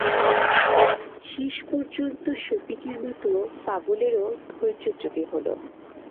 শেষ পর্যন্ত সফিকের মতো পাগলেরও ধৈর্যচ্যুতি হল।